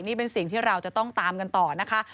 นี่เป็นสิ่งที่เราจะต้องตามกันต่อนะคะ